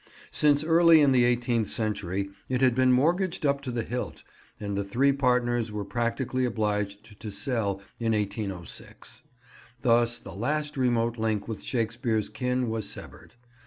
Since early in the eighteenth century it had been mortgaged up to the hilt, and the three partners were practically obliged to sell in 1806. Thus the last remote link with Shakespeare's kin was severed.